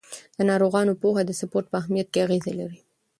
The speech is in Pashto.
د ناروغانو پوهه د سپورت په اهمیت کې اغېزه لري.